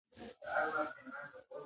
هوا نن تر پرون ډېره ګرمه ده.